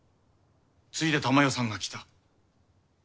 次いで珠世さんが来た。